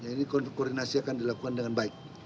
ini koordinasi akan dilakukan dengan baik